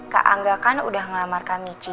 kak angga kan udah ngelamarkan michi